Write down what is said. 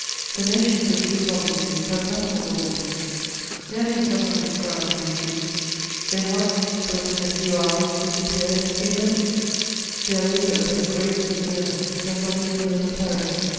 The nations of these solitudes have nothing of all this ; their names are not inscribed on the trees ; their huts, built in a few hours, disappear in a few moments ; their labour but grazes the earth, and does not even make a furrow.